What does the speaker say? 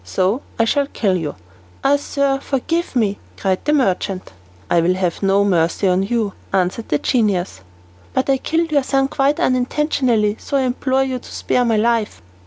So I shall kill you." "Ah, sir, forgive me!" cried the merchant. "I will have no mercy on you," answered the genius. "But I killed your son quite unintentionally, so I implore you to spare my life."